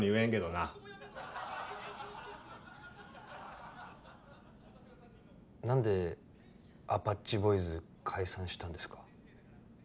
なんでアパッチボーイズ解散したんですか？